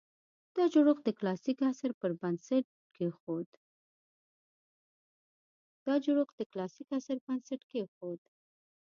دا جوړښت د کلاسیک عصر بنسټ کېښود